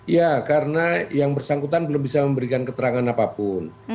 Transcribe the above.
ya karena yang bersangkutan belum bisa memberikan keterangan apapun